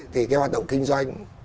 thì cái hoạt động kinh doanh